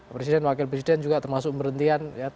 presiden wakil presiden juga termasuk merhentian ya